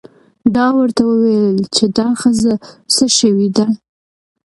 ده ورته وویل چې دا ښځه څه شوې ده.